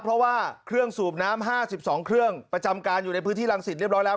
เพราะว่าเครื่องสูบน้ำ๕๒เครื่องประจำการอยู่ในพื้นที่รังสิตเรียบร้อยแล้ว